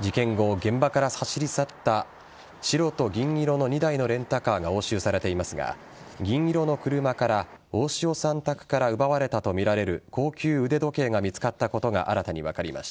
事件後、現場から走り去った白と銀色の２台のレンタカーが押収されていますが銀色の車から、大塩さん宅から奪われたとみられる高級腕時計が見つかったことが新たに分かりました。